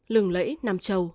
lừng lẫy nam châu